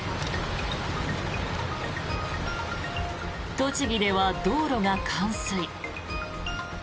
栃木では道路が冠水。